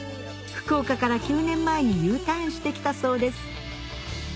福岡から９年前にＵターンしてきたそうです